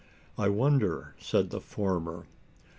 "I wonder," said the former.